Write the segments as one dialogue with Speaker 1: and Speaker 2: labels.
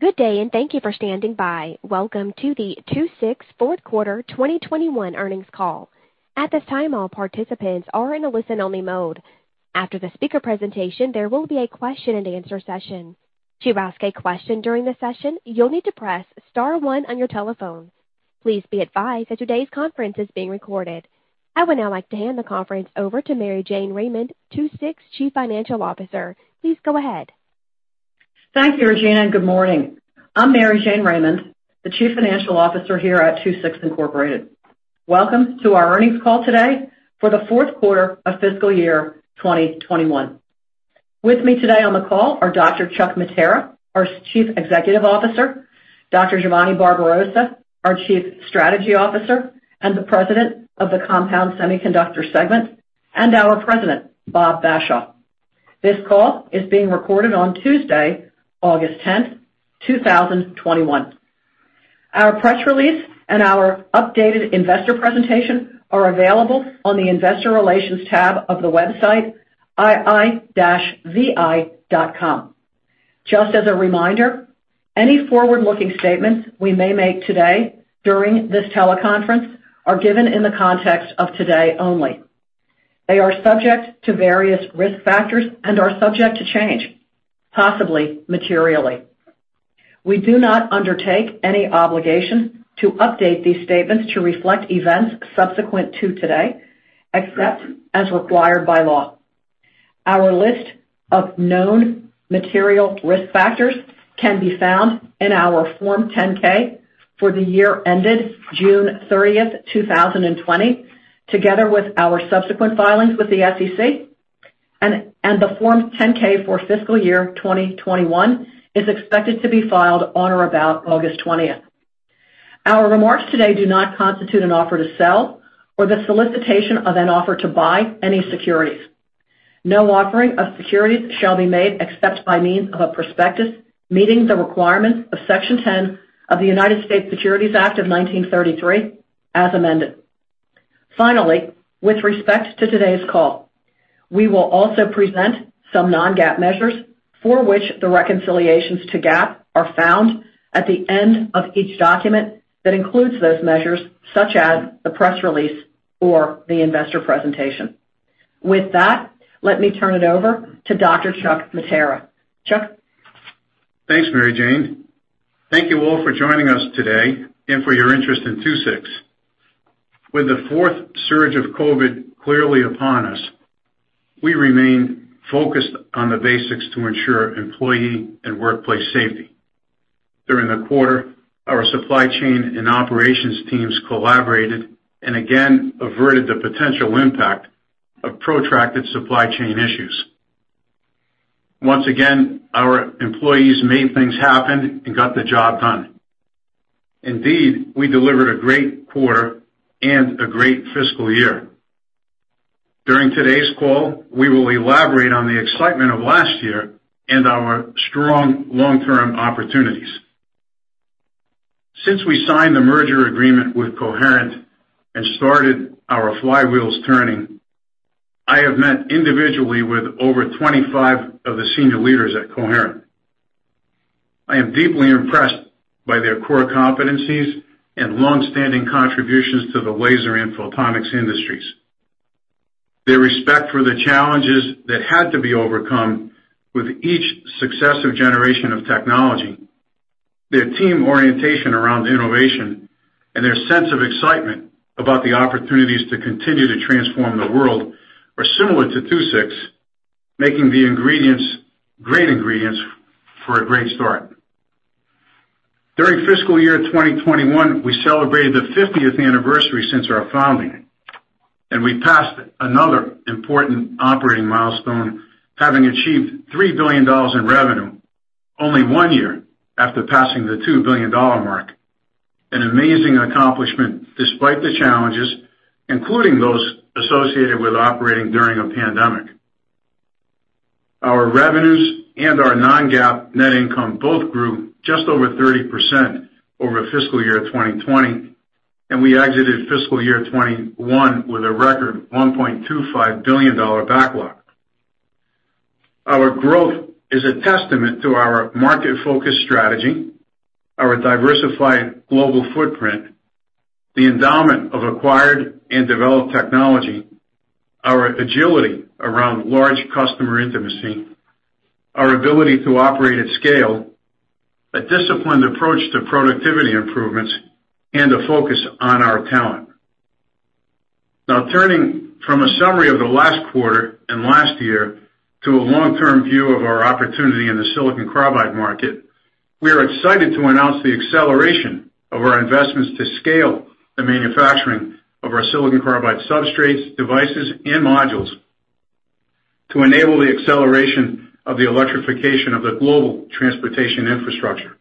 Speaker 1: Good day, and thank you for standing by. Welcome to the II-VI fourth quarter 2021 earnings call. At this time, all participants are in a listen-only mode. After the speaker presentation, there will be a question and answer session. To ask a question during the session, you'll need to press star one on your telephone. Please be advised that today's conference is being recorded. I would now like to hand the conference over to Mary Jane Raymond, II-VI Chief Financial Officer. Please go ahead.
Speaker 2: Thank you, Regina, and good morning. I'm Mary Jane Raymond, the Chief Financial Officer here at II-VI Incorporated. Welcome to our earnings call today for the fourth quarter of fiscal year 2021. With me today on the call are Dr. Chuck Mattera, our Chief Executive Officer, Dr. Giovanni Barbarossa, our Chief Strategy Officer and the President of the Compound Semiconductor Segment, and our President, Bob Bashaw. This call is being recorded on Tuesday, August 10th, 2021. Our press release and our updated investor presentation are available on the investor relations tab of the website ii-vi.com. Just as a reminder, any forward-looking statements we may make today during this teleconference are given in the context of today only. They are subject to various risk factors and are subject to change, possibly materially. We do not undertake any obligation to update these statements to reflect events subsequent to today, except as required by law. Our list of known material risk factors can be found in our Form 10-K for the year ended June 30th, 2020, together with our subsequent filings with the SEC, and the Form 10-K for fiscal year 2021 is expected to be filed on or about August 20th. Our remarks today do not constitute an offer to sell or the solicitation of an offer to buy any securities. No offering of securities shall be made except by means of a prospectus meeting the requirements of Section 10 of the United States Securities Act of 1933 as amended. Finally, with respect to today's call, we will also present some non-GAAP measures for which the reconciliations to GAAP are found at the end of each document that includes those measures, such as the press release or the investor presentation. With that, let me turn it over to Dr. Chuck Mattera. Chuck?
Speaker 3: Thanks, Mary Jane. Thank you all for joining us today and for your interest in II-VI. With the fourth surge of COVID clearly upon us, we remain focused on the basics to ensure employee and workplace safety. During the quarter, our supply chain and operations teams collaborated and again averted the potential impact of protracted supply chain issues. Once again, our employees made things happen and got the job done. Indeed, we delivered a great quarter and a great fiscal year. During today's call, we will elaborate on the excitement of last year and our strong long-term opportunities. Since we signed the merger agreement with Coherent and started our flywheels turning, I have met individually with over 25 of the senior leaders at Coherent. I am deeply impressed by their core competencies and long-standing contributions to the laser and photonics industries. Their respect for the challenges that had to be overcome with each successive generation of technology, their team orientation around innovation, and their sense of excitement about the opportunities to continue to transform the world are similar to II-VI, making the ingredients great ingredients for a great start. During fiscal year 2021, we celebrated the 50th anniversary since our founding, and we passed another important operating milestone, having achieved $3 billion in revenue only one year after passing the $2 billion mark. An amazing accomplishment despite the challenges, including those associated with operating during a pandemic. Our revenues and our non-GAAP net income both grew just over 30% over fiscal year 2020, and we exited fiscal year 2021 with a record $1.25 billion backlog. Our growth is a testament to our market-focused strategy, our diversified global footprint, the endowment of acquired and developed technology, our agility around large customer intimacy, our ability to operate at scale, a disciplined approach to productivity improvements, and a focus on our talent. Turning from a summary of the last quarter and last year to a long-term view of our opportunity in the silicon carbide market, we are excited to announce the acceleration of our investments to scale the manufacturing of our silicon carbide substrates, devices, and modules to enable the acceleration of the electrification of the global transportation infrastructure.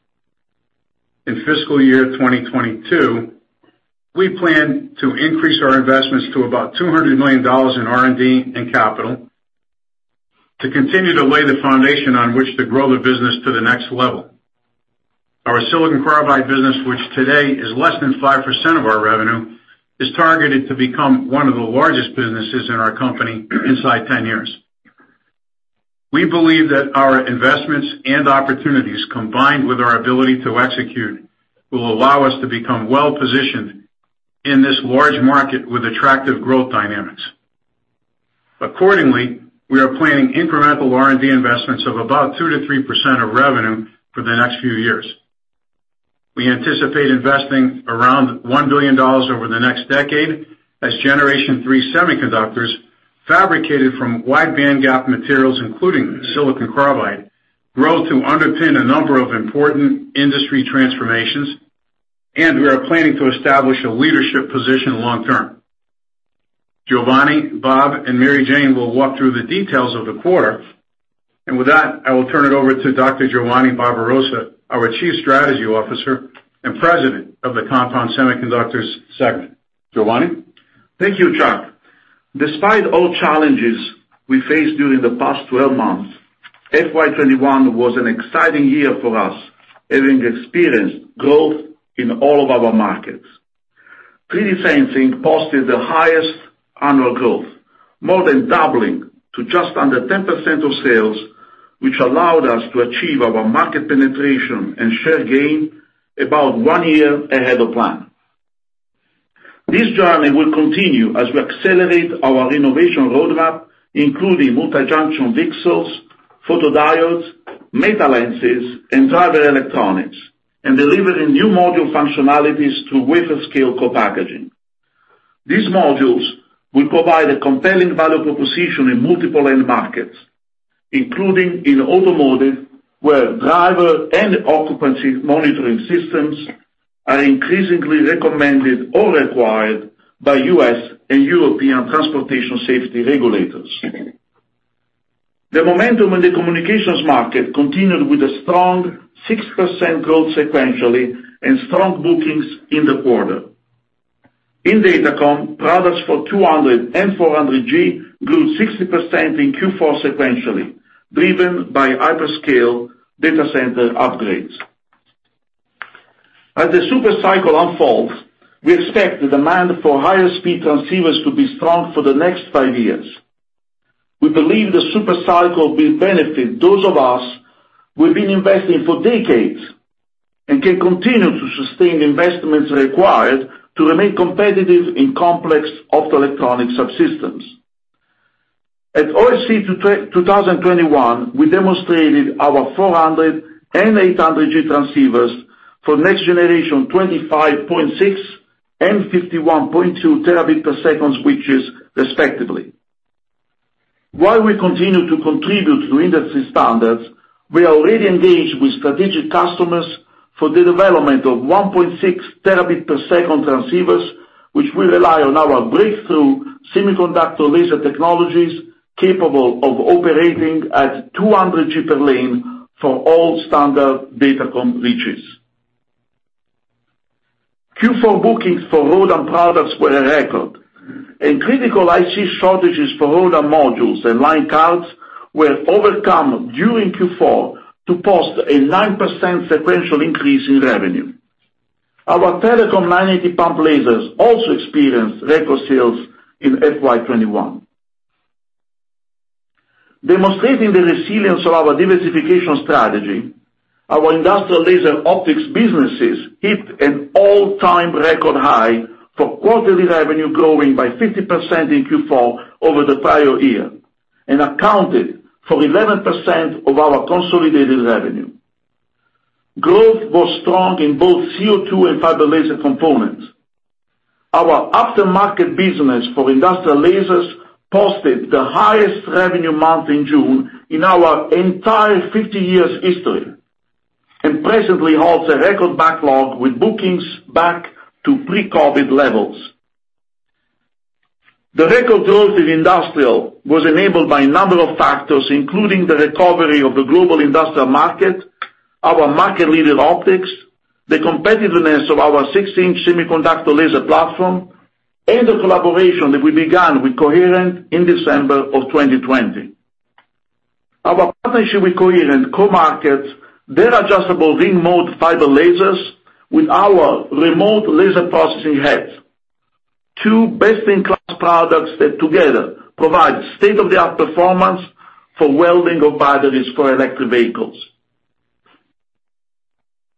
Speaker 3: In fiscal year 2022, we plan to increase our investments to $200 million in R&D and capital to continue to lay the foundation on which to grow the business to the next level. Our silicon carbide business, which today is less than 5% of our revenue, is targeted to become one of the largest businesses in our company inside 10 years. We believe that our investments and opportunities, combined with our ability to execute, will allow us to become well-positioned in this large market with attractive growth dynamics. Accordingly, we are planning incremental R&D investments of 2%-3% of revenue for the next few years. We anticipate investing $1 billion over the next decade as generation three semiconductors fabricated from wide bandgap materials, including silicon carbide, grow to underpin a number of important industry transformations, and we are planning to establish a leadership position long term. Giovanni, Bob, and Mary Jane will walk through the details of the quarter. With that, I will turn it over to Dr. Giovanni Barbarossa, our Chief Strategy Officer and President of the Compound Semiconductor Segment. Giovanni?
Speaker 4: Thank you, Chuck. Despite all challenges we faced during the past 12 months, FY 2021 was an exciting year for us, having experienced growth in all of our markets. 3D sensing posted the highest annual growth, more than doubling to just under 10% of sales, which allowed us to achieve our market penetration and share gain about one year ahead of plan. This journey will continue as we accelerate our innovation roadmap, including multi-junction VCSELs, photodiodes, metalenses, and driver electronics, and delivering new module functionalities to wafer scale co-packaging. These modules will provide a compelling value proposition in multiple end markets, including in automotive, where driver and occupancy monitoring systems are increasingly recommended or required by U.S. and European transportation safety regulators. The momentum in the communications market continued with a strong 6% growth sequentially and strong bookings in the quarter. In datacom, products for 200G and 400G grew 60% in Q4 sequentially, driven by hyperscale data center upgrades. As the super cycle unfolds, we expect the demand for higher speed transceivers to be strong for the next five years. We believe the super cycle will benefit those of us who've been investing for decades and can continue to sustain the investments required to remain competitive in complex optoelectronic subsystems. At OFC 2021, we demonstrated our 400G and 800G transceivers for next generation 25.6 and 51.2 terabit per second switches, respectively. While we continue to contribute to industry standards, we are already engaged with strategic customers for the development of 1.6 terabit per second transceivers, which will rely on our breakthrough semiconductor laser technologies capable of operating at 200G per lane for all standard datacom reaches. Q4 bookings for ROADM products were a record, and critical IC shortages for ROADM modules and line cards were overcome during Q4 to post a 9% sequential increase in revenue. Our telecom 980 pump lasers also experienced record sales in FY 2021. Demonstrating the resilience of our diversification strategy, our industrial laser optics businesses hit an all-time record high for quarterly revenue growing by 50% in Q4 over the prior year and accounted for 11% of our consolidated revenue. Growth was strong in both CO2 and fiber laser components. Our aftermarket business for industrial lasers posted the highest revenue month in June in our entire 50 years history, and presently holds a record backlog with bookings back to pre-COVID levels. The record growth in industrial was enabled by a number of factors, including the recovery of the global industrial market, our market-leading optics, the competitiveness of our 16 in semiconductor laser platform, and the collaboration that we began with Coherent in December of 2020. Our partnership with Coherent co-markets their Adjustable Ring Mode fiber lasers with our remote laser processing heads. Two best-in-class products that together provide state-of-the-art performance for welding of batteries for electric vehicles.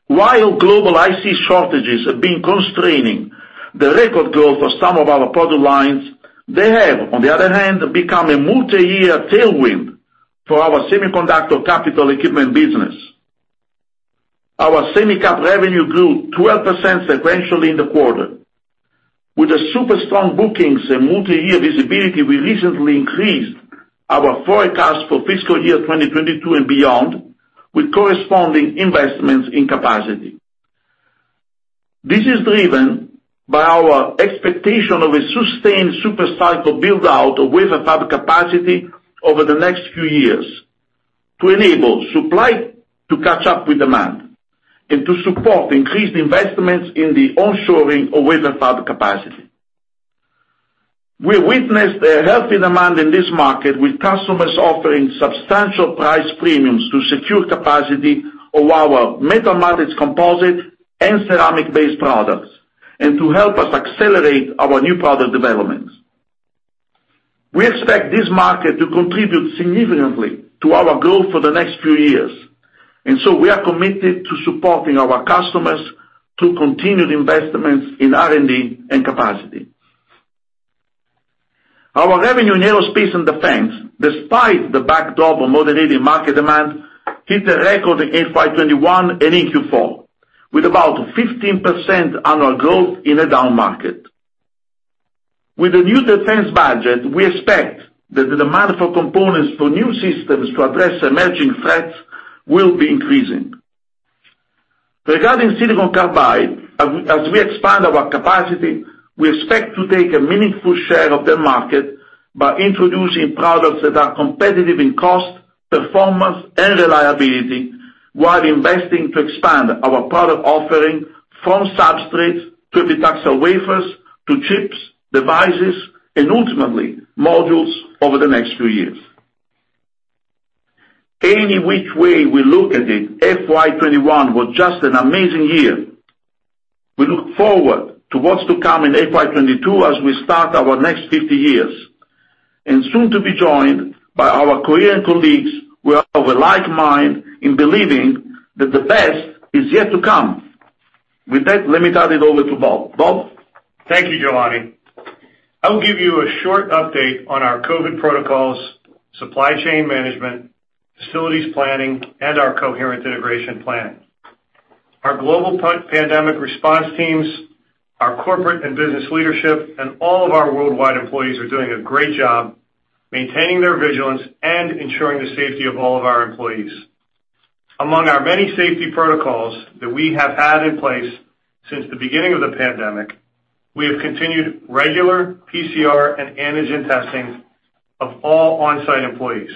Speaker 4: While global IC shortages have been constraining the record growth of some of our product lines, they have, on the other hand, become a multi-year tailwind for our semiconductor capital equipment business. Our semicap revenue grew 12% sequentially in the quarter. With the super strong bookings and multi-year visibility, we recently increased our forecast for fiscal year 2022 and beyond with corresponding investments in capacity. This is driven by our expectation of a sustained super cycle build out of wafer fab capacity over the next few years to enable supply to catch up with demand and to support increased investments in the onshoring of wafer fab capacity. We witnessed a healthy demand in this market with customers offering substantial price premiums to secure capacity of our metal matrix composite and ceramic-based products, and to help us accelerate our new product developments. We expect this market to contribute significantly to our growth for the next few years, and so we are committed to supporting our customers through continued investments in R&D and capacity. Our revenue in aerospace and defense, despite the backdrop of moderated market demand, hit a record in FY '21 and in Q4, with about 15% annual growth in a down market. With the new defense budget, we expect that the demand for components for new systems to address emerging threats will be increasing. Regarding silicon carbide, as we expand our capacity, we expect to take a meaningful share of the market by introducing products that are competitive in cost, performance, and reliability, while investing to expand our product offering from substrates to epitaxial wafers, to chips, devices, and ultimately modules over the next few years. Any which way we look at it, FY 2021 was just an amazing year. We look forward to what's to come in FY 2022 as we start our next 50 years, and soon to be joined by our Coherent colleagues who are of a like mind in believing that the best is yet to come. With that, let me turn it over to Bob. Bob?
Speaker 5: Thank you, Giovanni. I'll give you a short update on our COVID protocols, supply chain management, facilities planning, and our Coherent integration plan. Our global pandemic response teams, our corporate and business leadership, and all of our worldwide employees are doing a great job maintaining their vigilance and ensuring the safety of all of our employees. Among our many safety protocols that we have had in place since the beginning of the pandemic, we have continued regular PCR and antigen testing of all on-site employees.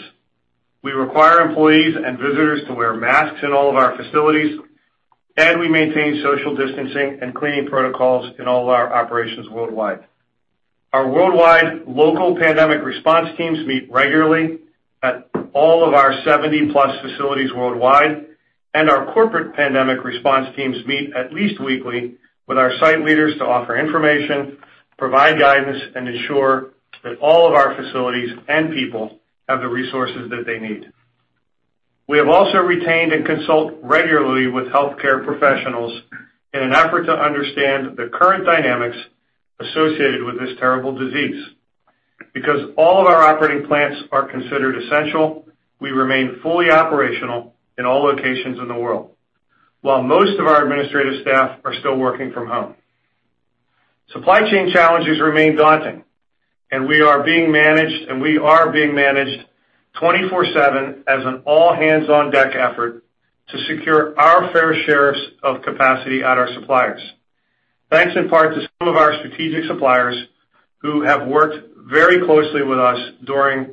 Speaker 5: We require employees and visitors to wear masks in all of our facilities, and we maintain social distancing and cleaning protocols in all of our operations worldwide. Our worldwide local pandemic response teams meet regularly at all of our 70-plus facilities worldwide. Our corporate pandemic response teams meet at least weekly with our site leaders to offer information, provide guidance, and ensure that all of our facilities and people have the resources that they need. We have also retained and consult regularly with healthcare professionals in an effort to understand the current dynamics associated with this terrible disease. Because all of our operating plants are considered essential, we remain fully operational in all locations in the world, while most of our administrative staff are still working from home. Supply chain challenges remain daunting. We are being managed 24/7 as an all-hands-on-deck effort to secure our fair shares of capacity at our suppliers. Thanks in part to some of our strategic suppliers who have worked very closely with us during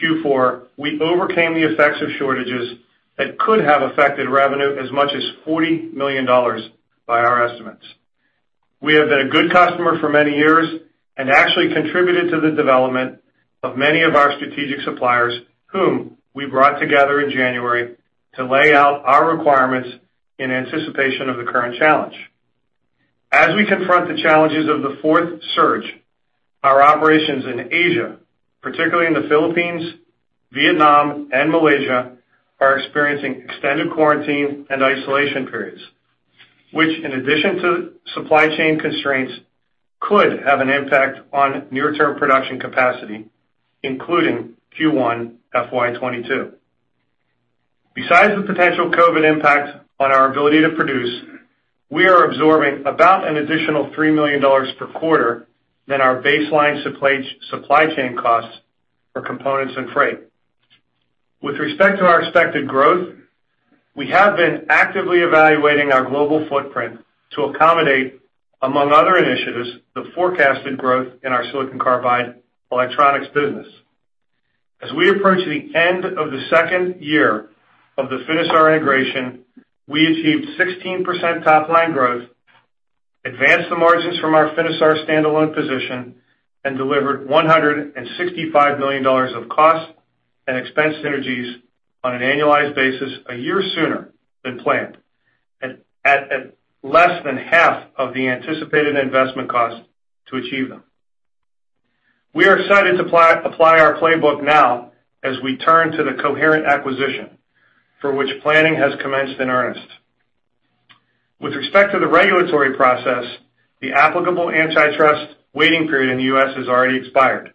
Speaker 5: Q4, we overcame the effects of shortages that could have affected revenue as much as $40 million by our estimates. We have been a good customer for many years and actually contributed to the development of many of our strategic suppliers, whom we brought together in January to lay out our requirements in anticipation of the current challenge. As we confront the challenges of the fourth surge, our operations in Asia, particularly in the Philippines, Vietnam, and Malaysia, are experiencing extended quarantine and isolation periods, which, in addition to supply chain constraints, could have an impact on near-term production capacity, including Q1 FY 2022. Besides the potential COVID impact on our ability to produce, we are absorbing about an additional $3 million per quarter than our baseline supply chain costs for components and freight. With respect to our expected growth, we have been actively evaluating our global footprint to accommodate, among other initiatives, the forecasted growth in our silicon carbide electronics business. As we approach the end of the second year of the Finisar integration, we achieved 16% top-line growth, advanced the margins from our Finisar standalone position, and delivered $165 million of cost and expense synergies on an annualized basis a year sooner than planned, at less than half of the anticipated investment cost to achieve them. We are excited to apply our playbook now as we turn to the Coherent acquisition, for which planning has commenced in earnest. With respect to the regulatory process, the applicable antitrust waiting period in the U.S. has already expired,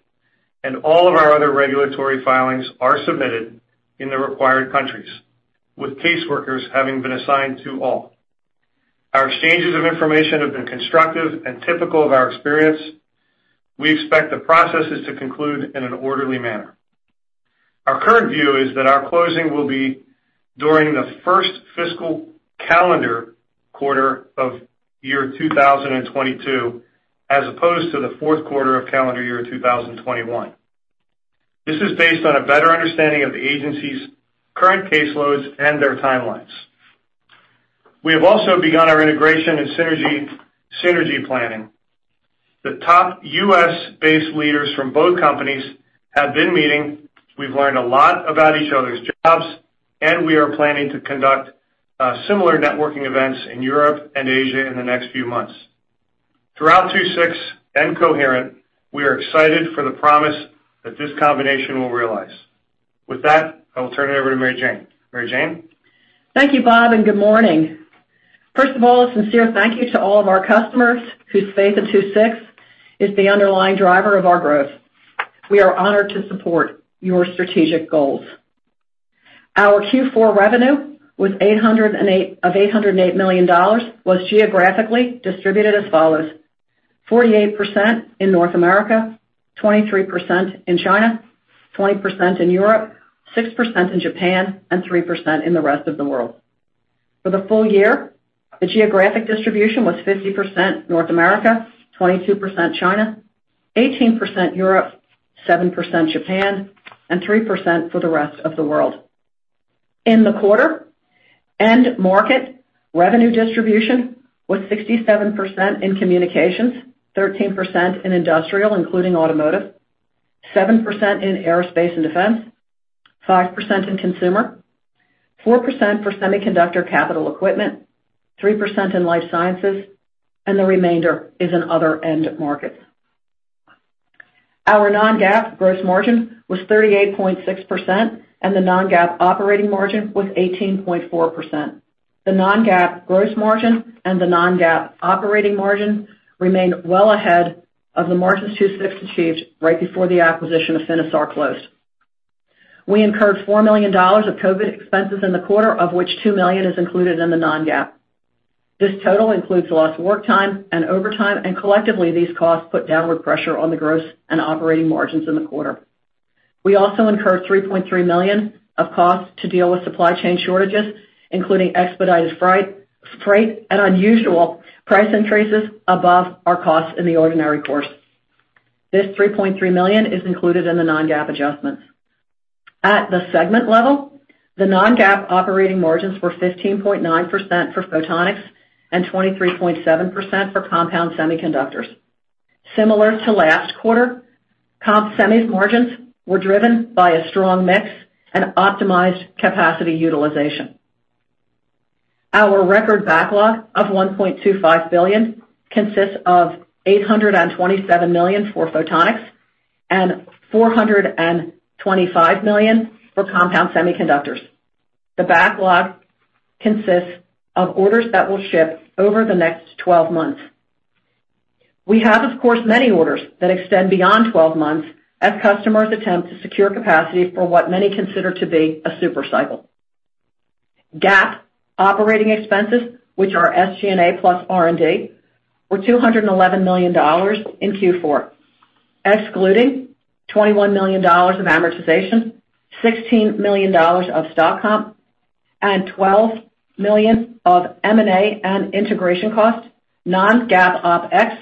Speaker 5: and all of our other regulatory filings are submitted in the required countries, with caseworkers having been assigned to all. Our exchanges of information have been constructive and typical of our experience. We expect the processes to conclude in an orderly manner. Our current view is that our closing will be during the first fiscal calendar quarter of year 2022, as opposed to the fourth quarter of calendar year 2021. This is based on a better understanding of the agencies' current caseloads and their timelines. We have also begun our integration and synergy planning. The top U.S.-based leaders from both companies have been meeting. We've learned a lot about each other's jobs, and we are planning to conduct similar networking events in Europe and Asia in the next few months. Throughout II-VI and Coherent, we are excited for the promise that this combination will realize. With that, I will turn it over to Mary Jane. Mary Jane?
Speaker 2: Thank you, Bob, and good morning. First of all, a sincere thank you to all of our customers whose faith in II-VI is the underlying driver of our growth. We are honored to support your strategic goals. Our Q4 revenue of $808 million was geographically distributed as follows. 48% in North America, 23% in China, 20% in Europe, 6% in Japan, and 3% in the rest of the world. For the full year, the geographic distribution was 50% North America, 22% China, 18% Europe, 7% Japan, and 3% for the rest of the world. In the quarter, end market revenue distribution was 67% in communications, 13% in industrial, including automotive, 7% in aerospace and defense, 5% in consumer, 4% for semiconductor capital equipment, 3% in life sciences, and the remainder is in other end markets. Our non-GAAP gross margin was 38.6%, and the non-GAAP operating margin was 18.4%. The non-GAAP gross margin and the non-GAAP operating margin remained well ahead of the margins II-VI achieved right before the acquisition of Finisar closed. We incurred $4 million of COVID expenses in the quarter, of which $2 million is included in the non-GAAP. This total includes lost work time and overtime, and collectively, these costs put downward pressure on the gross and operating margins in the quarter. We also incurred $3.3 million of costs to deal with supply chain shortages, including expedited freight and unusual price increases above our costs in the ordinary course. This $3.3 million is included in the non-GAAP adjustments. At the segment level, the non-GAAP operating margins were 15.9% for Photonics and 23.7% for Compound Semiconductors. Similar to last quarter, compound semis margins were driven by a strong mix and optimized capacity utilization. Our record backlog of $1.25 billion consists of $827 million for Photonics and $425 million for Compound Semiconductors. The backlog consists of orders that will ship over the next 12 months. We have, of course, many orders that extend beyond 12 months as customers attempt to secure capacity for what many consider to be a super cycle. GAAP operating expenses, which are SG&A plus R&D, were $211 million in Q4. Excluding $21 million of amortization, $16 million of stock comp, and $12 million of M&A and integration costs, non-GAAP OpEx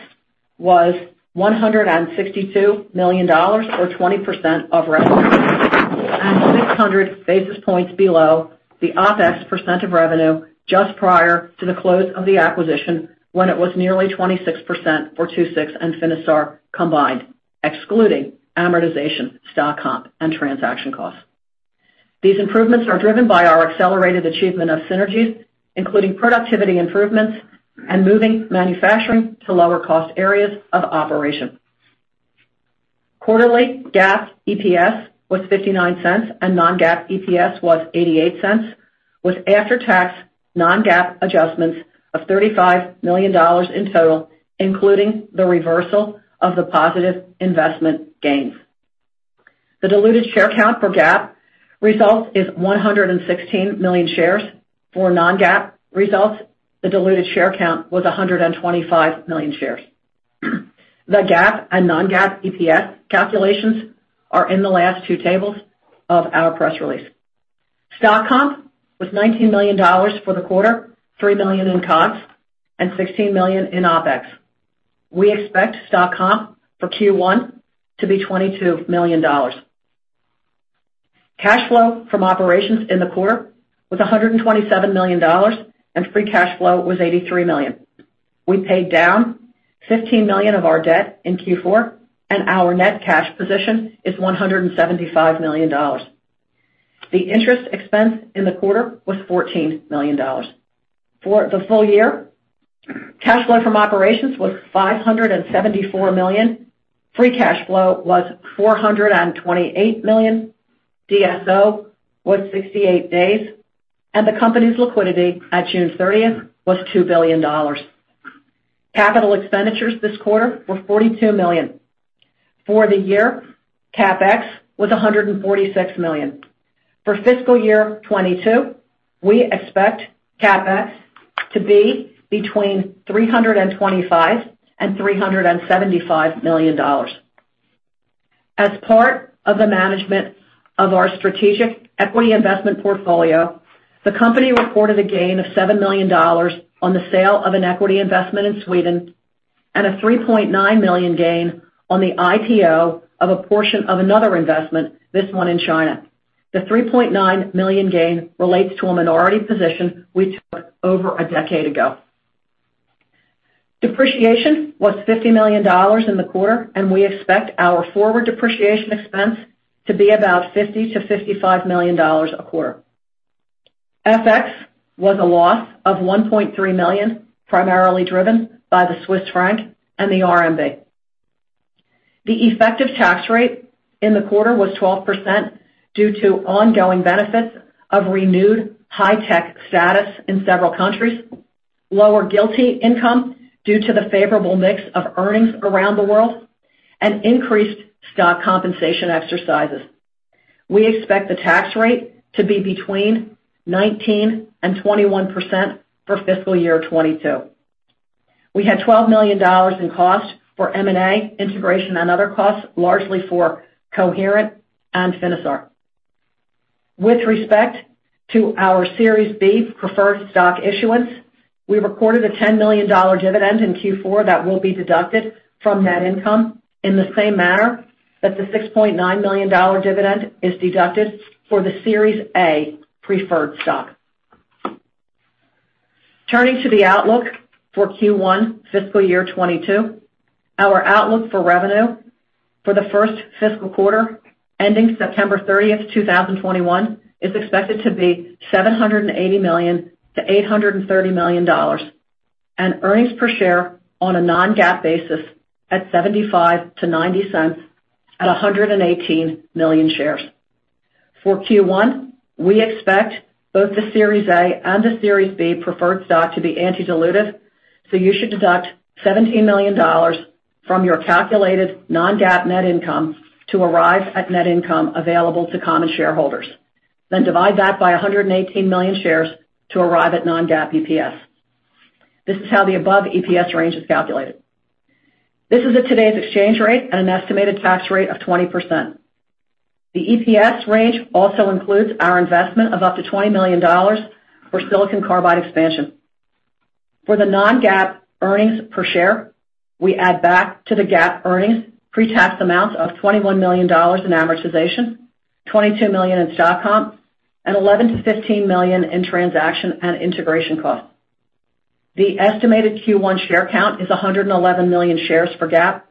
Speaker 2: was $162 million or 20% of revenue, and 600 basis points below the OpEx percent of revenue just prior to the close of the acquisition when it was nearly 26% for II-VI and Finisar combined, excluding amortization, stock comp, and transaction costs. These improvements are driven by our accelerated achievement of synergies, including productivity improvements and moving manufacturing to lower-cost areas of operation. Quarterly GAAP EPS was $0.59, and non-GAAP EPS was $0.88, with after-tax non-GAAP adjustments of $35 million in total, including the reversal of the positive investment gains. The diluted share count for GAAP results is 116 million shares. For non-GAAP results, the diluted share count was 125 million shares. The GAAP and non-GAAP EPS calculations are in the last two tables of our press release. Stock comp was $19 million for the quarter, $3 million in costs, and $16 million in OpEx. We expect stock comp for Q1 to be $22 million. Cash flow from operations in the quarter was $127 million, and free cash flow was $183 million. We paid down $15 million of our debt in Q4, and our net cash position is $175 million. The interest expense in the quarter was $14 million. For the full year, cash flow from operations was $574 million. Free cash flow was $428 million. DSO was 68 days, and the company's liquidity at June 30th was $2 billion. Capital expenditures this quarter were $42 million. For the year, CapEx was $146 million. For fiscal year 2022, we expect CapEx to be between $325 million and $375 million. As part of the management of our strategic equity investment portfolio, the company reported a gain of $7 million on the sale of an equity investment in Sweden and a $3.9 million gain on the IPO of a portion of another investment, this one in China. The $3.9 million gain relates to a minority position we took over a decade ago. Depreciation was $50 million in the quarter, and we expect our forward depreciation expense to be about $50 million-$55 million a quarter. FX was a loss of $1.3 million, primarily driven by the Swiss franc and the RMB. The effective tax rate in the quarter was 12% due to ongoing benefits of renewed hi-tech status in several countries, lower GILTI income due to the favorable mix of earnings around the world, and increased stock compensation exercises. We expect the tax rate to be between 19% and 21% for fiscal year 2022. We had $12 million in costs for M&A integration and other costs, largely for Coherent and Finisar. With respect to our Series B preferred stock issuance, we recorded a $10 million dividend in Q4 that will be deducted from net income in the same manner that the $6.9 million dividend is deducted for the Series A preferred stock. Turning to the outlook for Q1 fiscal year 2022. Our outlook for revenue for the first fiscal quarter ending September 30th, 2021, is expected to be $780 million-$830 million. Earnings per share on a non-GAAP basis at $0.75–$0.90 at 118 million shares. For Q1, we expect both the Series A and the Series B preferred stock to be anti-dilutive, so you should deduct $17 million from your calculated non-GAAP net income to arrive at net income available to common shareholders, then divide that by 118 million shares to arrive at non-GAAP EPS. This is how the above EPS range is calculated. This is at today's exchange rate at an estimated tax rate of 20%. The EPS range also includes our investment of up to $20 million for silicon carbide expansion. For the non-GAAP earnings per share, we add back to the GAAP earnings pre-tax amounts of $21 million in amortization, $22 million in stock comp, and $11 million-$15 million in transaction and integration costs. The estimated Q1 share count is 111 million shares for GAAP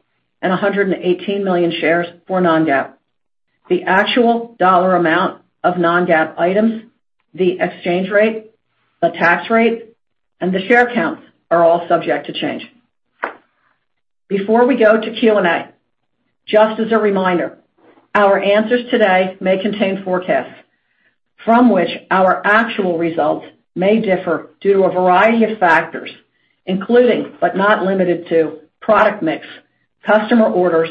Speaker 2: and 118 million shares for non-GAAP. The actual dollar amount of non-GAAP items, the exchange rate, the tax rate, and the share counts are all subject to change. Before we go to Q&A, just as a reminder, our answers today may contain forecasts from which our actual results may differ due to a variety of factors, including, but not limited to, product mix, customer orders,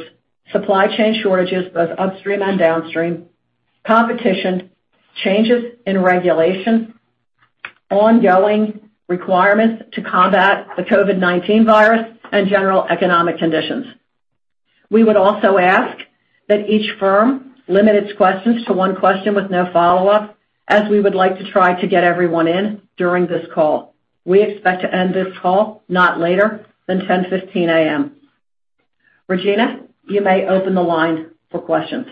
Speaker 2: supply chain shortages, both upstream and downstream, competition, changes in regulation, ongoing requirements to combat the COVID-19 virus, and general economic conditions. We would also ask that each firm limit its questions to one question with no follow-up, as we would like to try to get everyone in during this call. We expect to end this call not later than 10:15 A.M. Regina, you may open the line for questions.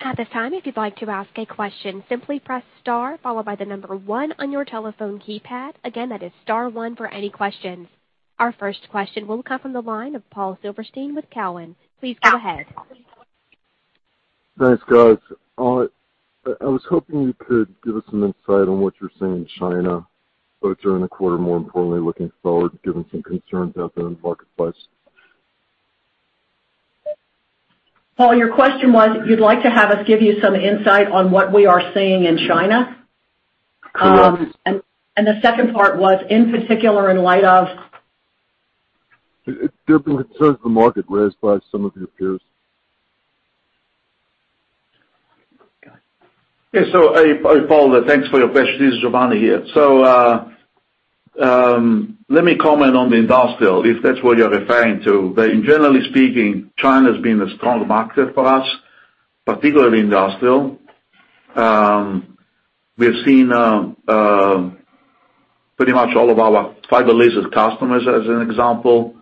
Speaker 1: At this time, if you'd like to ask a question, simply press star, followed by the number one on your telephone keypad. Again, that is star one for any questions. Our first question will come from the line of Paul Silverstein with Cowen. Please go ahead.
Speaker 6: Thanks, guys. I was hoping you could give us some insight on what you're seeing in China, both during the quarter, more importantly looking forward, given some concerns out there in the marketplace.
Speaker 2: Paul, your question was, you'd like to have us give you some insight on what we are seeing in China?
Speaker 6: Correct.
Speaker 2: The second part was, in particular, in light of?
Speaker 6: There have been concerns the market raised by some of your peers.
Speaker 4: Yeah. Paul, thanks for your question. This is Giovanni here. Let me comment on the industrial, if that's what you're referring to. Generally speaking, China's been a strong market for us, particularly industrial. We have seen pretty much all of our fiber laser customers, as an example,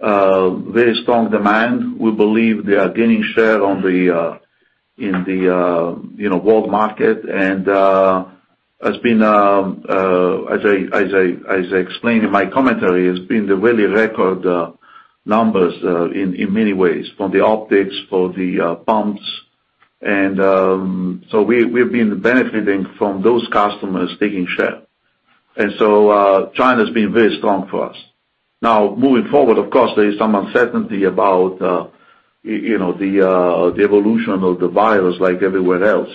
Speaker 4: very strong demand. We believe they are gaining share in the world market. As I explained in my commentary, it's been really record numbers in many ways for the optics, for the pumps. We've been benefiting from those customers taking share. China's been very strong for us. Now, moving forward, of course, there is some uncertainty about the evolution of the virus like everywhere else.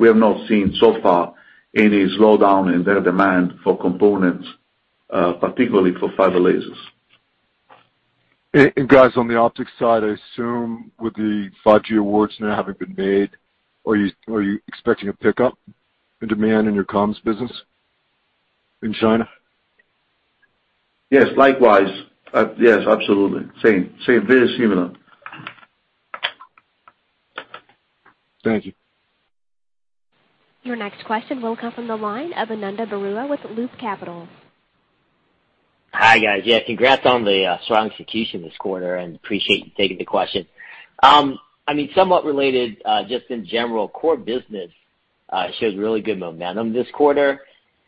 Speaker 4: We have not seen so far any slowdown in their demand for components, particularly for fiber lasers.
Speaker 6: Guys, on the optics side, I assume with the 5G awards now having been made, are you expecting a pickup in demand in your comms business in China?
Speaker 4: Yes. Likewise. Yes, absolutely. Same. Very similar.
Speaker 6: Thank you.
Speaker 1: Your next question will come from the line of Ananda Baruah with Loop Capital.
Speaker 7: Hi, guys. Yeah, congrats on the strong execution this quarter, and appreciate you taking the question. Somewhat related, just in general, core business shows really good momentum this quarter.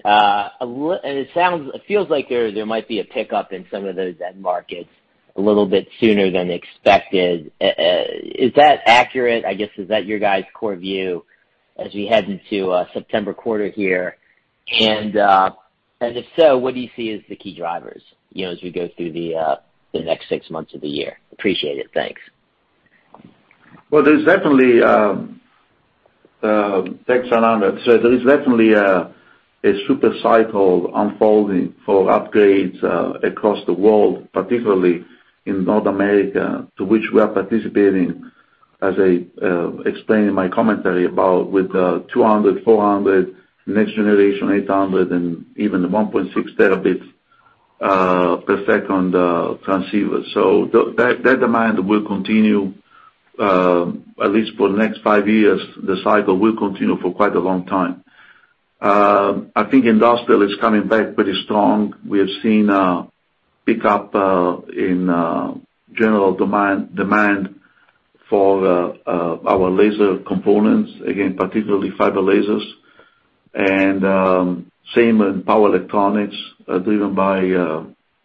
Speaker 7: It feels like there might be a pickup in some of those end markets a little bit sooner than expected. Is that accurate? I guess, is that your guys' core view as we head into September quarter here? If so, what do you see as the key drivers as we go through the next six months of the year? Appreciate it. Thanks.
Speaker 4: Well, thanks, Ananda. There is definitely a super cycle unfolding for upgrades across the world, particularly in North America, to which we are participating, as I explained in my commentary about with the 200, 400, next generation 800, and even the 1.6 Tbps transceivers. That demand will continue, at least for the next five years. The cycle will continue for quite a long time. I think industrial is coming back pretty strong. We have seen a pickup in general demand for our laser components, again, particularly fiber lasers, and same in power electronics, driven by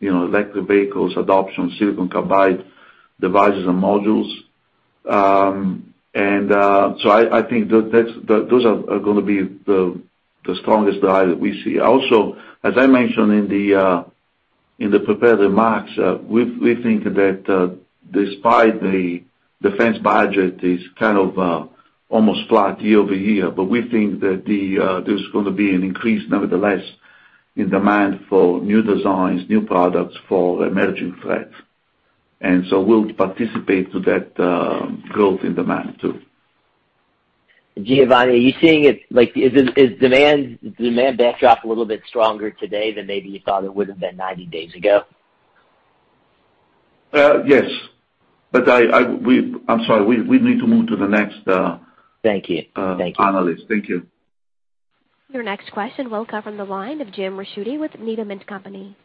Speaker 4: electric vehicles adoption, silicon carbide devices and modules. I think those are going to be the strongest driver we see. Also, as I mentioned in the prepared remarks, we think that despite the defense budget is kind of almost flat year-over-year, but we think that there's going to be an increase nevertheless in demand for new designs, new products for emerging threats. We'll participate to that growth in demand, too.
Speaker 7: Giovanni, are you seeing it like, is demand backdrop a little bit stronger today than maybe you thought it would've been 90 days ago?
Speaker 4: Yes. I'm sorry, we need to move to the next-
Speaker 7: Thank you.
Speaker 4: analyst. Thank you.
Speaker 1: Your next question will come from the line of Jim Ricchiuti with Needham & Company.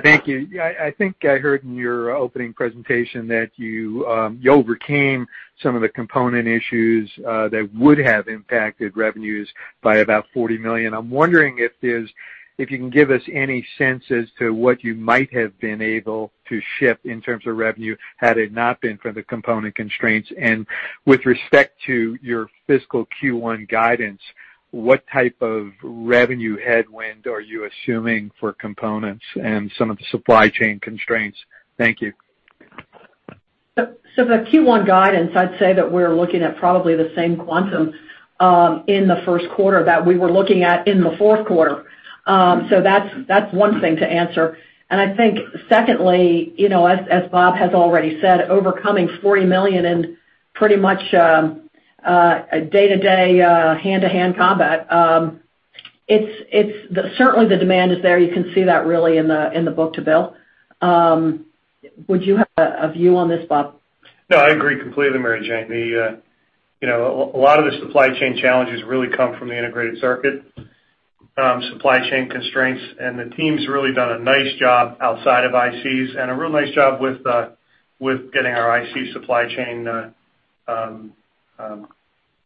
Speaker 8: Thank you. I think I heard in your opening presentation that you overcame some of the component issues that would have impacted revenues by about $40 million. I'm wondering if you can give us any sense as to what you might have been able to ship in terms of revenue had it not been for the component constraints. With respect to your fiscal Q1 guidance, what type of revenue headwind are you assuming for components and some of the supply chain constraints? Thank you.
Speaker 2: For Q1 guidance, I'd say that we're looking at probably the same quantum in the first quarter that we were looking at in the fourth quarter. That's one thing to answer. I think secondly, as Bob has already said, overcoming 40 million in pretty much day-to-day, hand-to-hand combat, certainly the demand is there. You can see that really in the book-to-bill. Would you have a view on this, Bob?
Speaker 5: No, I agree completely, Mary Jane. A lot of the supply chain challenges really come from the integrated circuit supply chain constraints, and the team's really done a nice job outside of ICs and a real nice job with getting our IC supply chain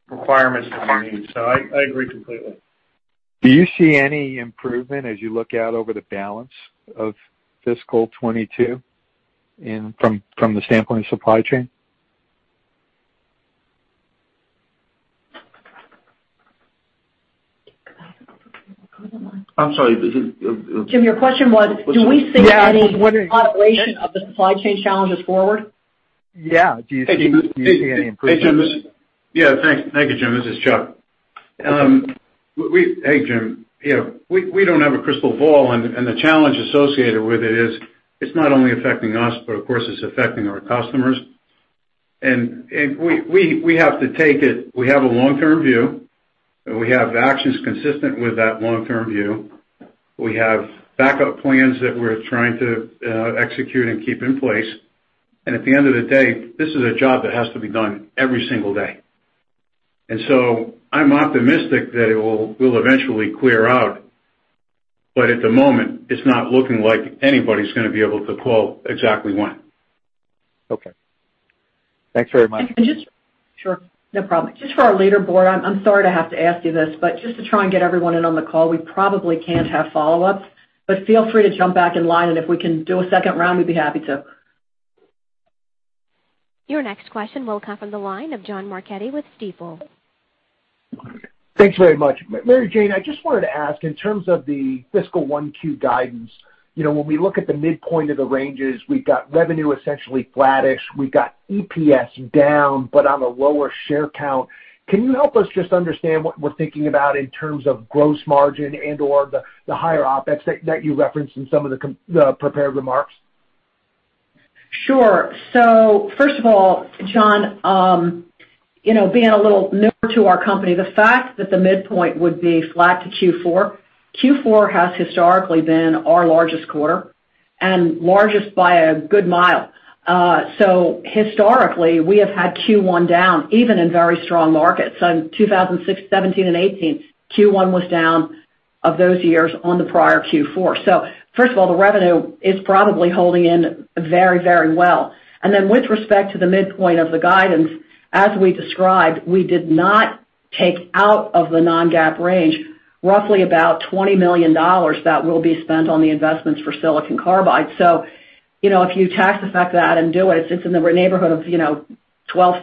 Speaker 5: requirements that we need. I agree completely.
Speaker 8: Do you see any improvement as you look out over the balance of fiscal 2022 from the standpoint of supply chain?
Speaker 2: Jim, your question was, do we see any moderation of the supply chain challenges forward?
Speaker 8: Yeah. Do you see any improvement?
Speaker 3: Hey, Jim. Yeah, thanks. Thank you, Jim. This is Chuck. Hey, Jim. We don't have a crystal ball, and the challenge associated with it is, it's not only affecting us, but of course it's affecting our customers. We have to take it. We have a long-term view, and we have actions consistent with that long-term view. We have backup plans that we're trying to execute and keep in place. At the end of the day, this is a job that has to be done every single day. I'm optimistic that it will eventually clear out. At the moment, it's not looking like anybody's going to be able to call exactly when.
Speaker 8: Okay. Thanks very much.
Speaker 2: Sure. No problem. Just for our later callers, I'm sorry to have to ask you this, but just to try and get everyone in on the call, we probably can't have follow-ups. feel free to jump back in line, and if we can do a second round, we'd be happy to.
Speaker 1: Your next question will come from the line of John Marchetti with Stifel.
Speaker 9: Thanks very much. Mary Jane, I just wanted to ask, in terms of the fiscal 1Q guidance, when we look at the midpoint of the ranges, we've got revenue essentially flattish. We've got EPS down, but on a lower share count. Can you help us just understand what we're thinking about in terms of gross margin and/or the higher OpEx that you referenced in some of the prepared remarks?
Speaker 2: Sure. First of all, John, being a little newer to our company, the fact that the midpoint would be flat to Q4 has historically been our largest quarter and largest by a good mile. Historically, we have had Q1 down even in very strong markets. In 2017 and 2018, Q1 was down of those years on the prior Q4. First of all, the revenue is probably holding in very well. With respect to the midpoint of the guidance, as we described, we did not take out of the non-GAAP range, roughly about $20 million that will be spent on the investments for silicon carbide. If you tax effect that and do it's in the neighborhood of $0.12,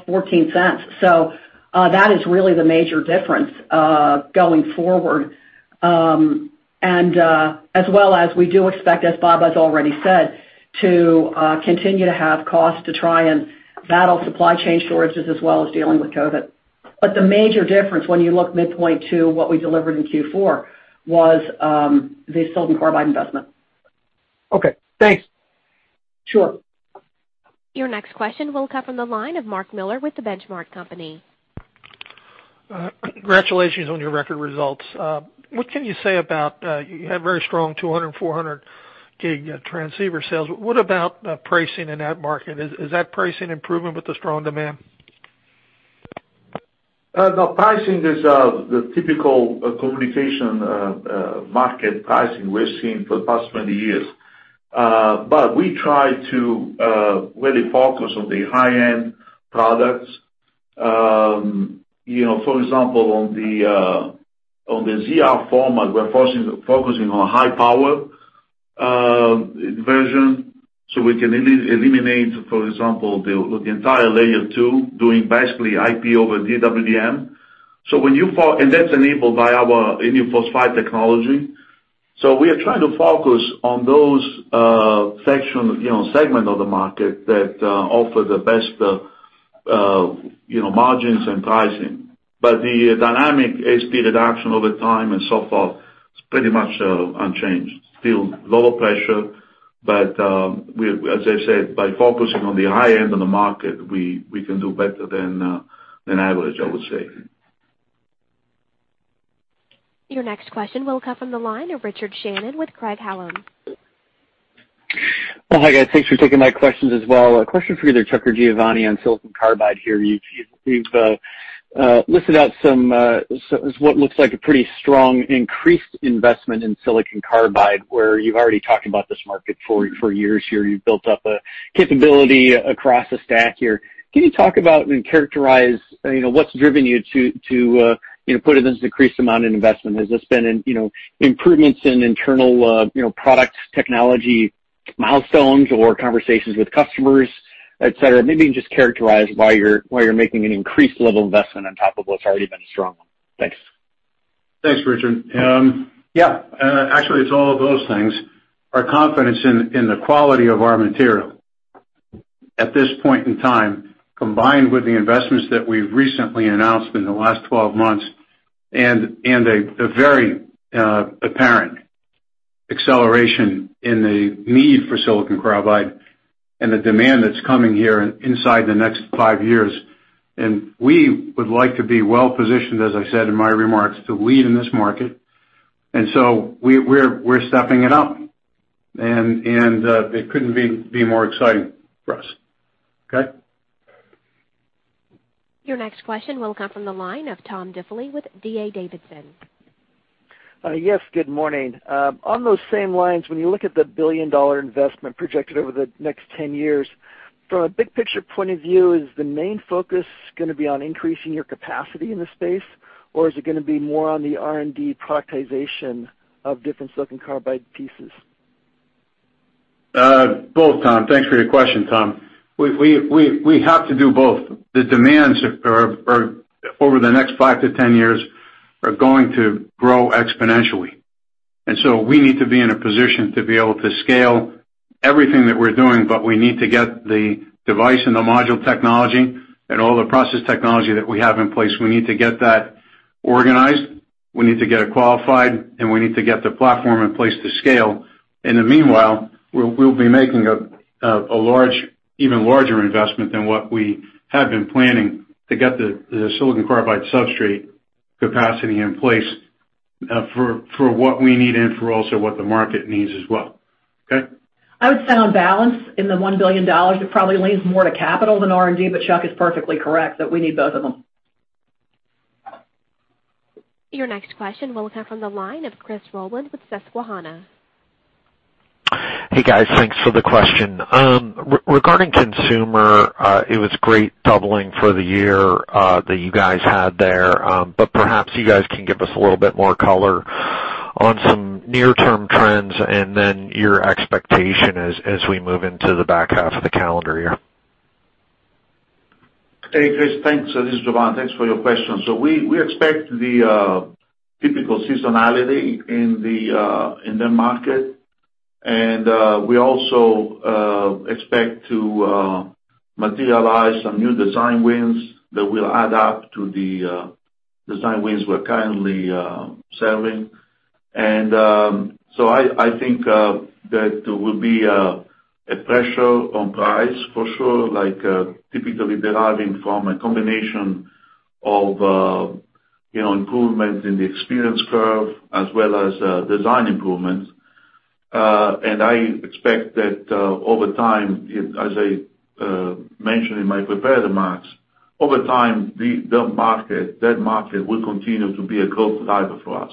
Speaker 2: $0.14. That is really the major difference, going forward. As well as we do expect, as Bob has already said, to continue to have costs to try and battle supply chain shortages as well as dealing with COVID. The major difference when you look midpoint to what we delivered in Q4 was, the silicon carbide investment.
Speaker 9: Okay, thanks.
Speaker 2: Sure.
Speaker 1: Your next question will come from the line of Mark Miller with The Benchmark Company.
Speaker 10: Congratulations on your record results. You had very strong 200 and 400 gig transceiver sales. What about pricing in that market? Is that pricing improving with the strong demand?
Speaker 4: The pricing is the typical communication market pricing we're seeing for the past 20 years. We try to really focus on the high-end products. For example, on the ZR format, we're focusing on high power version, so we can eliminate, for example, the entire layer two, doing basically IP over DWDM. That's enabled by our indium phosphide technology. We are trying to focus on those segment of the market that offer the best margins and pricing. The dynamic ASP reduction over time and so forth is pretty much unchanged. Still low pressure, but as I said, by focusing on the high end of the market, we can do better than average, I would say.
Speaker 1: Your next question will come from the line of Richard Shannon with Craig-Hallum.
Speaker 11: Hi, guys. Thanks for taking my questions as well. A question for either Chuck or Giovanni on silicon carbide here. You've listed out what looks like a pretty strong increased investment in silicon carbide, where you've already talked about this market for years here. You've built up a capability across the stack here. Can you talk about and characterize what's driven you to put in this increased amount in investment? Has this been in improvements in internal product technology milestones or conversations with customers, et cetera? Maybe you can just characterize why you're making an increased level of investment on top of what's already been a strong one. Thanks.
Speaker 3: Thanks, Richard. Actually, it's all of those things. Our confidence in the quality of our material at this point in time, combined with the investments that we've recently announced in the last 12 months, and the very apparent acceleration in the need for silicon carbide and the demand that's coming here inside the next five years. We would like to be well-positioned, as I said in my remarks, to lead in this market, and so we're stepping it up, and it couldn't be more exciting for us. Okay?
Speaker 1: Your next question will come from the line of Tom Diffely with D.A. Davidson.
Speaker 12: Yes, good morning. On those same lines, when you look at the billion-dollar investment projected over the next 10 years, from a big picture point of view, is the main focus going to be on increasing your capacity in the space, or is it going to be more on the R&D productization of different silicon carbide pieces?
Speaker 3: Both, Tom. Thanks for your question, Tom. We have to do both. The demands over the next five to 10 years are going to grow exponentially, and so we need to be in a position to be able to scale everything that we're doing, but we need to get the device and the module technology and all the process technology that we have in place. We need to get that organized. We need to get it qualified, and we need to get the platform in place to scale. In the meanwhile, we'll be making a even larger investment than what we have been planning to get the silicon carbide substrate capacity in place for what we need and for also what the market needs as well. Okay?
Speaker 2: I would say on balance in the $1 billion, it probably leans more to capital than R&D, but Chuck is perfectly correct that we need both of them.
Speaker 1: Your next question will come from the line of Christopher Rolland with Susquehanna.
Speaker 13: Hey, guys, thanks for the question. Regarding consumer, it was great doubling for the year, that you guys had there. Perhaps you guys can give us a little bit more color on some near-term trends and then your expectation as we move into the back half of the calendar year.
Speaker 4: Hey, Chris. Thanks. This is Giovanni. Thanks for your question. We expect the typical seasonality in the market, and we also expect to materialize some new design wins that will add up to the design wins we're currently selling. I think that there will be a pressure on price for sure, typically deriving from a combination of improvements in the experience curve as well as design improvements. I expect that over time, as I mentioned in my prepared remarks, that market will continue to be a growth driver for us.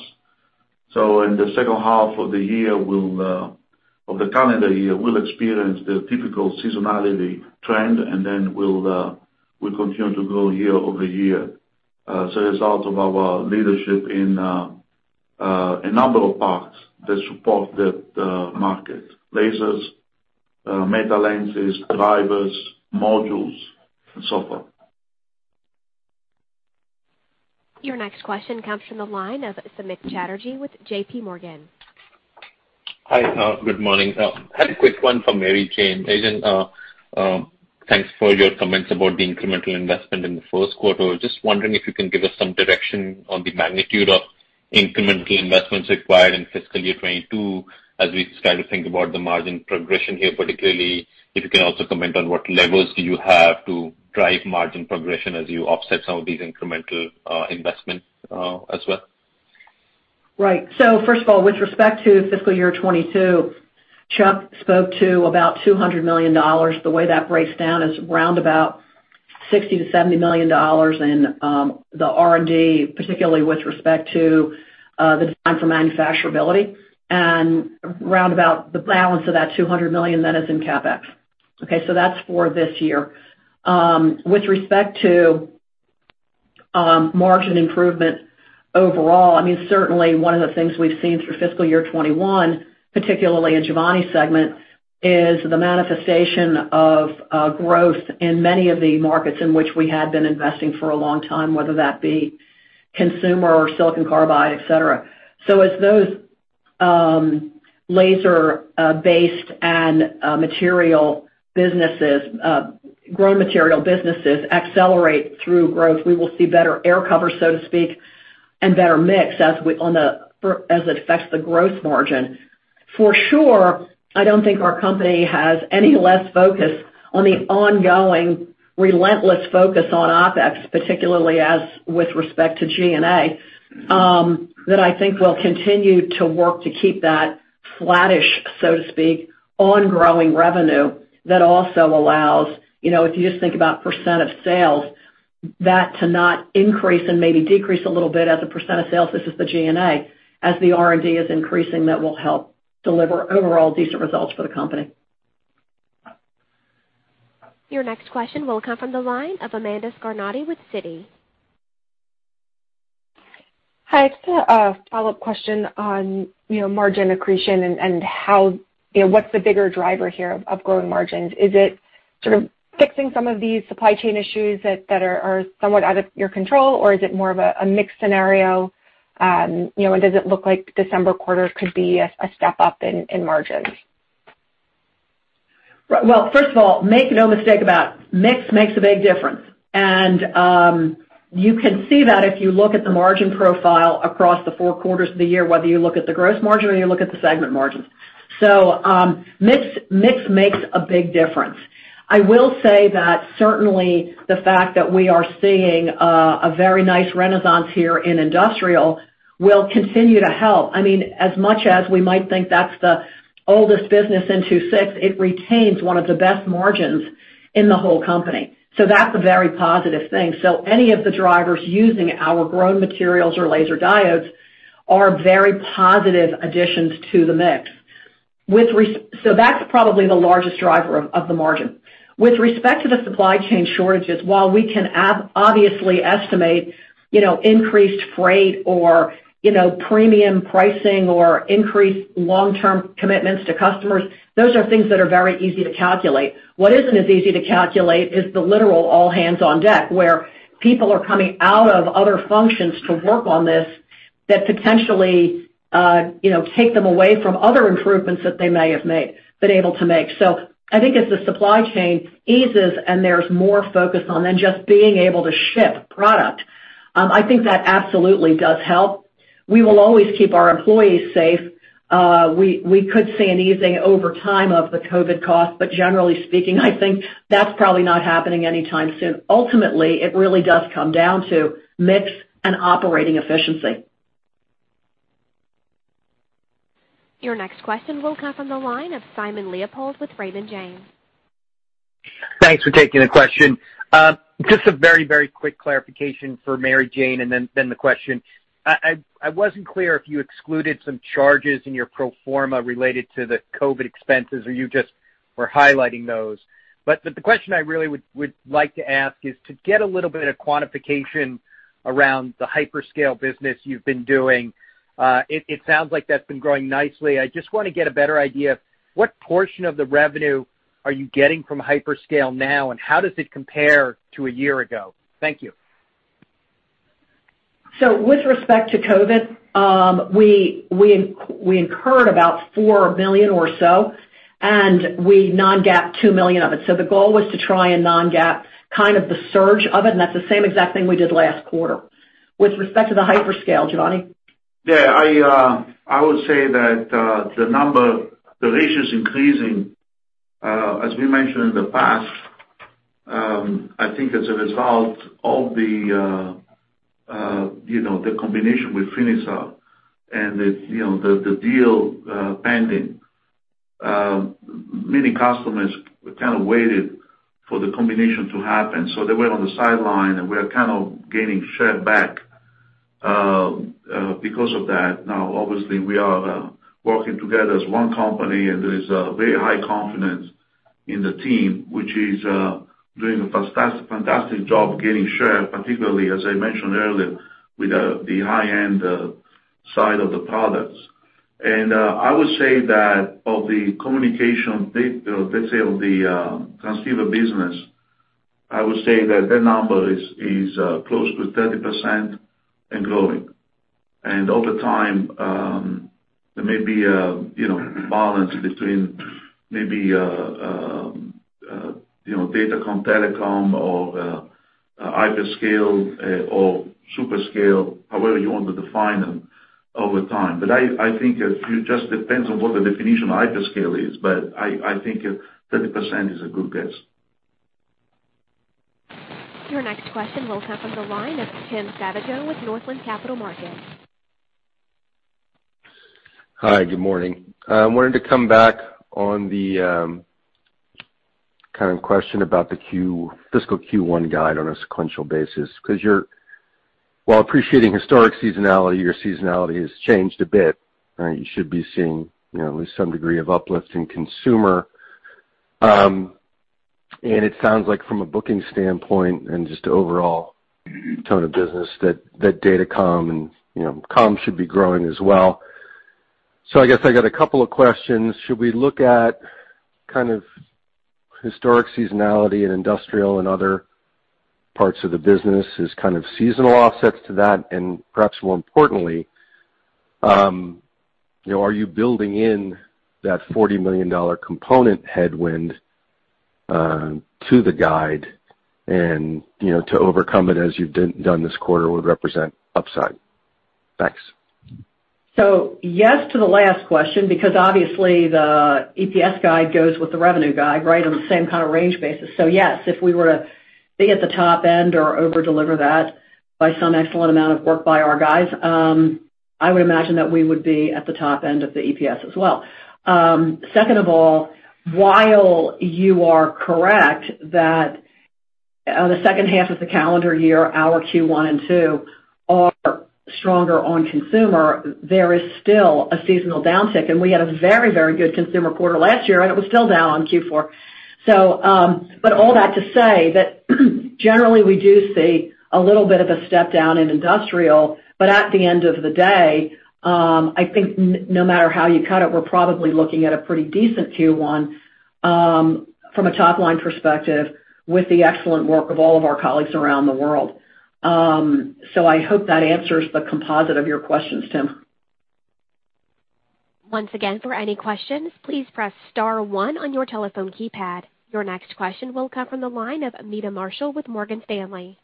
Speaker 4: In the second half of the calendar year, we'll experience the typical seasonality trend, and then we'll continue to grow year-over-year as a result of our leadership in a number of parts that support that market. Lasers, metalenses, drivers, modules, and so forth.
Speaker 1: Your next question comes from the line of Samik Chatterjee with JPMorgan.
Speaker 14: Hi. Good morning. Had a quick one for Mary Jane. Agen, thanks for your comments about the incremental investment in the first quarter. Was just wondering if you can give us some direction on the magnitude of incremental investments required in fiscal year 2022 as we start to think about the margin progression here. Particularly if you can also comment on what levers do you have to drive margin progression as you offset some of these incremental investments as well.
Speaker 2: Right. First of all, with respect to fiscal year 2022, Chuck spoke to about $200 million. The way that breaks down is around about $60-$70 million in the R&D, particularly with respect to the design for manufacturability, and around about the balance of that $200 million that is in CapEx. Okay, that's for this year. With respect to margin improvement overall, certainly one of the things we've seen through fiscal year 2021, particularly in Giovanni's segment, is the manifestation of growth in many of the markets in which we had been investing for a long time, whether that be consumer or silicon carbide, et cetera. As those laser-based and grown material businesses accelerate through growth, we will see better air cover, so to speak, and better mix as it affects the gross margin. For sure, I don't think our company has any less focus on the ongoing relentless focus on OpEx, particularly as with respect to G&A, that I think will continue to work to keep that flattish, so to speak, on growing revenue that also allows, if you just think about percent of sales, that to not increase and maybe decrease a little bit as a percent of sales. This is the G&A. As the R&D is increasing, that will help deliver overall decent results for the company.
Speaker 1: Your next question will come from the line of Amanda Scarnati with Citi.
Speaker 15: Hi. Just a follow-up question on margin accretion and what's the bigger driver here of growing margins. Is it sort of fixing some of these supply chain issues that are somewhat out of your control, or is it more of a mixed scenario? Does it look like December quarter could be a step up in margins?
Speaker 2: Well, first of all, make no mistake about it, mix makes a big difference. You can see that if you look at the margin profile across the four quarters of the year, whether you look at the gross margin or you look at the segment margins. Mix makes a big difference. I will say that certainly the fact that we are seeing a very nice renaissance here in industrial will continue to help. As much as we might think that's the oldest business in II-VI, it retains one of the best margins in the whole company. That's a very positive thing. Any of the drivers using our grown materials or laser diodes are very positive additions to the mix. That's probably the largest driver of the margin. With respect to the supply chain shortages, while we can obviously estimate increased freight or premium pricing or increased long-term commitments to customers, those are things that are very easy to calculate. What isn't as easy to calculate is the literal all hands on deck, where people are coming out of other functions to work on this that potentially take them away from other improvements that they may have been able to make. I think as the supply chain eases and there's more focus on than just being able to ship product, I think that absolutely does help. We will always keep our employees safe. We could see an easing over time of the COVID cost, but generally speaking, I think that's probably not happening anytime soon. Ultimately, it really does come down to mix and operating efficiency.
Speaker 1: Your next question will come from the line of Simon Leopold with Raymond James.
Speaker 16: Thanks for taking the question. Just a very quick clarification for Mary Jane and then the question. I wasn't clear if you excluded some charges in your pro forma related to the COVID expenses, or you just were highlighting those. The question I really would like to ask is to get a little bit of quantification around the hyperscale business you've been doing. It sounds like that's been growing nicely. I just want to get a better idea of what portion of the revenue are you getting from hyperscale now, and how does it compare to a year ago? Thank you.
Speaker 2: With respect to COVID, we incurred about $4 million or so, and we non-GAAP $2 million of it. The goal was to try and non-GAAP kind of the surge of it, and that's the same exact thing we did last quarter. With respect to the hyperscale, Giovanni?
Speaker 4: Yeah, I would say that the number, the ratio is increasing, as we mentioned in the past, I think as a result of the combination with Finisar and the deal pending. Many customers kind of waited for the combination to happen, so they were on the sideline, and we are kind of gaining share back because of that. Now, obviously, we are working together as one company, and there is a very high confidence in the team, which is doing a fantastic job getting share, particularly, as I mentioned earlier, with the high-end side of the products. I would say that of the communication VCSEL, the Transceiver business, I would say that their number is close to 30% and growing. Over time, there may be a balance between maybe datacomm, telecom or hyperscale or super scale, however you want to define them over time. I think it just depends on what the definition of hyperscale is, but I think 30% is a good guess.
Speaker 1: Your next question will come from the line of Tim Savageaux with Northland Capital Markets.
Speaker 17: Hi. Good morning. I wanted to come back on the kind of question about the fiscal Q1 guide on a sequential basis, because while appreciating historic seasonality, your seasonality has changed a bit. You should be seeing at least some degree of uplift in consumer. It sounds like from a booking standpoint and just overall tone of business that data comm and comm should be growing as well. I guess I got a couple of questions. Should we look at kind of historic seasonality in industrial and other parts of the business as kind of seasonal offsets to that? Perhaps more importantly, are you building in that $40 million component headwind to the guide and to overcome it as you've done this quarter would represent upside? Thanks.
Speaker 2: Yes to the last question, because obviously the EPS guide goes with the revenue guide, right, on the same kind of range basis. Yes, if we were to be at the top end or over-deliver that by some excellent amount of work by our guys, I would imagine that we would be at the top end of the EPS as well. Second of all, while you are correct that the second half of the calendar year, our Q1 and Q2 are stronger on consumer, there is still a seasonal downtick, and we had a very good consumer quarter last year, and it was still down on Q4. All that to say that generally we do see a little bit of a step down in industrial. At the end of the day, I think no matter how you cut it, we're probably looking at a pretty decent Q1 from a top-line perspective with the excellent work of all of our colleagues around the world. I hope that answers the composite of your questions, Tim.
Speaker 1: Once again, for any questions, please press star one on your telephone keypad. Your next question will come from the line of Meta Marshall with Morgan Stanley.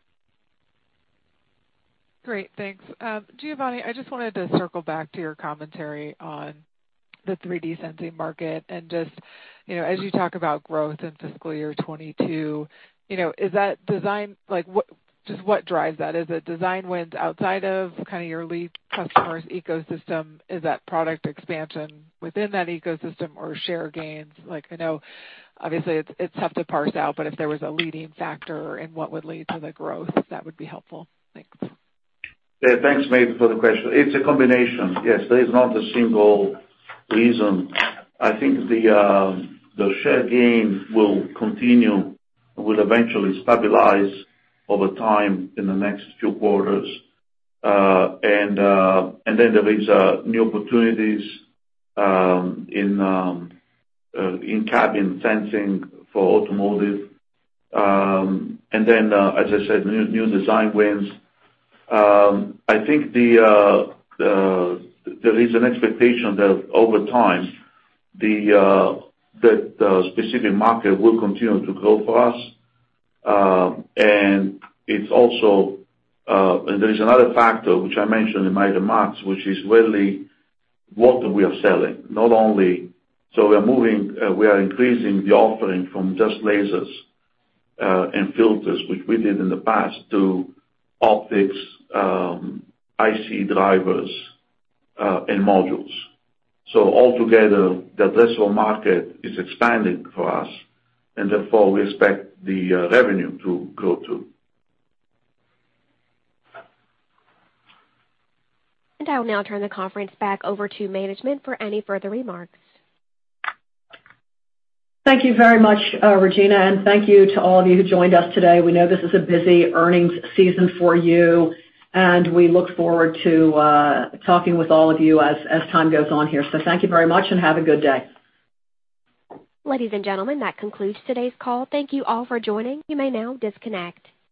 Speaker 18: Great. Thanks. Giovanni, I just wanted to circle back to your commentary on the 3D sensing market. As you talk about growth in fiscal year 2022, just what drives that? Is it design wins outside of kind of your lead customer's ecosystem? Is that product expansion within that ecosystem or share gains? I know obviously it's tough to parse out. If there was a leading factor in what would lead to the growth, that would be helpful. Thanks.
Speaker 4: Yeah. Thanks Meta, for the question. It's a combination. Yes, there is not a single reason. I think the share gains will continue, will eventually stabilize over time in the next few quarters. There is new opportunities in cabin sensing for automotive. As I said, new design wins. I think there is an expectation that over time, that specific market will continue to grow for us. There is another factor which I mentioned in my remarks, which is really what we are selling, not only. We are increasing the offering from just lasers and filters, which we did in the past, to optics, IC drivers, and modules. Altogether, the addressable market is expanding for us, and therefore, we expect the revenue to grow too.
Speaker 1: I will now turn the conference back over to management for any further remarks.
Speaker 2: Thank you very much, Regina, and thank you to all of you who joined us today. We know this is a busy earnings season for you, and we look forward to talking with all of you as time goes on here. Thank you very much and have a good day.
Speaker 1: Ladies and gentlemen, that concludes today's call. Thank you all for joining. You may now disconnect.